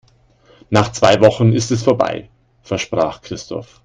Nach zwei Wochen ist es vorbei, versprach Christoph.